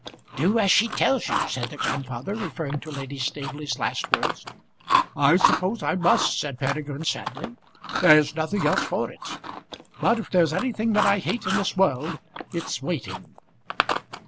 "Do as she tells you," said the grandfather, referring to Lady Staveley's last words. "I suppose I must," said Peregrine, sadly. "There's nothing else for it. But if there's anything that I hate in this world, it's waiting."